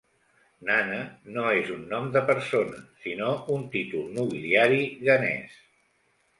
Nana no és un nom de persona, sinó un títol nobiliari ghanès.